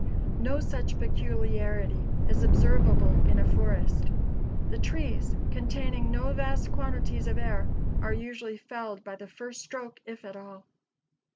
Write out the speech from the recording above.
No such peculiarity is observable in a forest. The trees, containing no vast quantities of air, are usually felled by the first stroke, if at all.